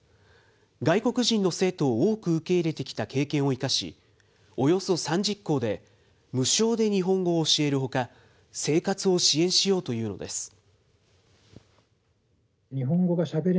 外国人の生徒を多く受け入れてきた経験を生かし、およそ３０校で無償で日本語を教えるほか、生活を支援しようというのです。